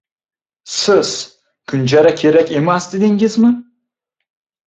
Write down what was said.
— Siz, kunjara kerak emas, dedingizmi?